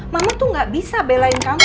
mama tuh gak bisa belain kamu